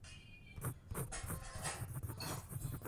La mayoría de su costa es rocosa y acantilada.